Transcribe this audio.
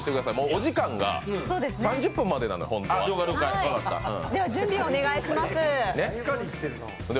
お時間が３０分までなので。